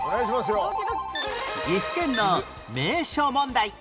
岐阜県の名所問題